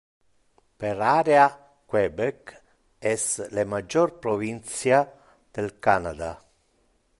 Per area, Quebec es le major provincia del Canada.